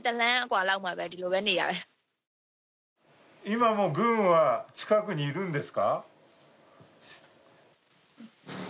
今も軍は近くにいるんですか？